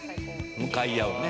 「向かい合うね